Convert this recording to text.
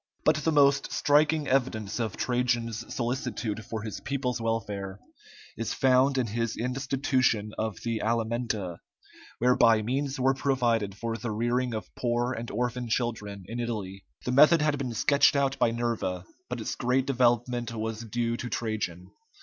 But the most striking evidence of Trajan's solicitude for his people's welfare is found in his institution of the alimenta, whereby means were provided for the rearing of poor and orphan children in Italy. The method had been sketched out by Nerva, but its great development was due to Trajan.